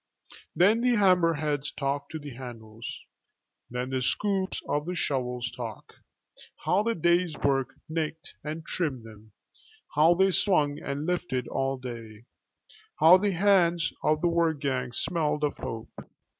Then the hammer heads talk to the handles, then the scoops of the shovels talk, how the day's work nicked and trimmed them, how they swung and lifted all day, how the hands of the work gangs smelled of hope.